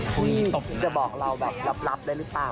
จะบอกเราแบบลับได้หรือเปล่า